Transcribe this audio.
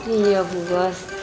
iya bu bos